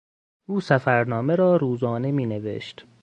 او سفرنامه را روزانه مینوشت.